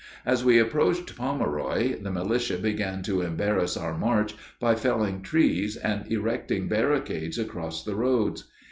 As we approached Pomeroy the militia began to embarrass our march by felling trees and erecting barricades across the roads.